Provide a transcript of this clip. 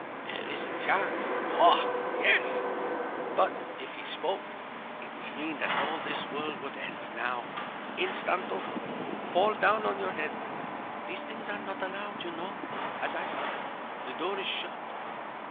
"There is a chance. Oah, yess! But if he spoke it would mean that all this world would end now—instanto—fall down on your head. These things are not allowed, you know. As I said, the door is shut."